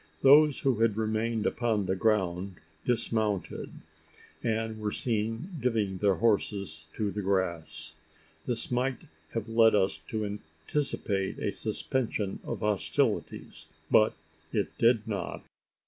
Those who had remained upon the ground dismounted, and were seen giving their horses to the grass. This might have led us to anticipate a suspension of hostilities; but it did not.